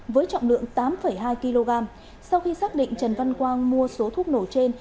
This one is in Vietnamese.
với trọng lượng tám hai kg sau khi xác định trần văn quang mua số thuốc nổ trên